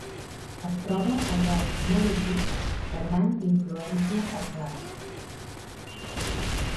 Es troba a llocs molt humits de gran influència atlàntica.